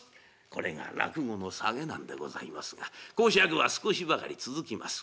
これが落語のサゲなんでございますが講釈は少しばかり続きます。